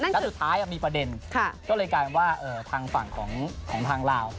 แล้วสุดท้ายมีประเด็นก็เลยกลายเป็นว่าทางฝั่งของทางลาว